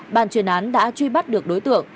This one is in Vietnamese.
ban chuyên án đã truy bắt được đối tượng